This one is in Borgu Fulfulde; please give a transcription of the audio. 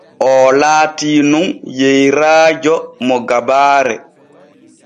Oo laati nun yeyrajo mo gabaare.